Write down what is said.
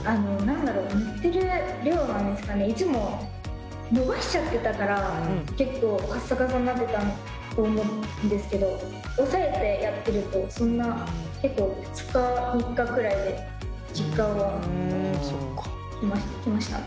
何だろう塗ってる量なんですかねいつも伸ばしちゃってたから結構カッサカサになってたと思うんですけど押さえてやってるとそんな結構２日３日くらいで実感はきました。